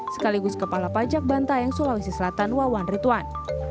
sekaligus kepala pajak bantayang sulawesi selatan wawan ritwan